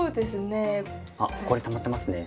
あほこりたまってますね。